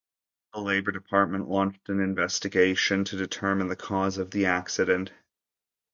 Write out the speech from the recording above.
The Labour Department launched an investigation to determine the cause of the accident.